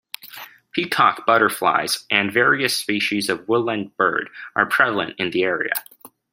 Peacock butterflies and various species of woodland bird are prevalent in the area.